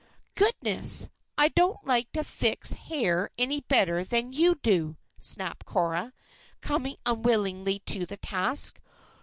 "Goodness! I don't like to fix hair any better than you do," snapped Cora, coming unwillingly to the task.